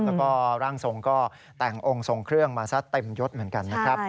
แล้วก็ร่างทรงก็แต่งองค์ทรงเครื่องมาซะเต็มยศเหมือนกันนะครับ